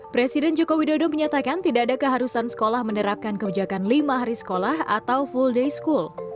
presiden joko widodo menyatakan tidak ada keharusan sekolah menerapkan kebijakan lima hari sekolah atau full day school